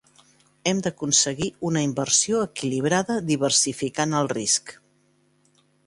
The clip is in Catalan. Hem d"aconseguir una inversió equilibrada diversificant el risc.